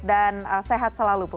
dan sehat selalu bu